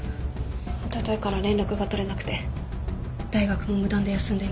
おとといから連絡が取れなくて大学も無断で休んでいます。